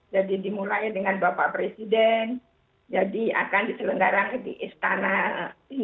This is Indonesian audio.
jadi dimulai dengan bapak presiden jadi akan diselenggarakan di istana merdeka